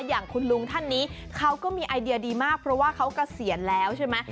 อย่างคุณลุงท่านนี้เขาก็มีไอเดียดีมากเพราะว่าเขาเกษียณแล้วใช่ไหม